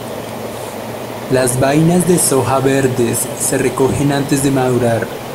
Las vainas de soja verdes se recogen antes de madurar.